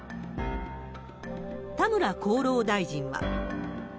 田村厚労大臣は。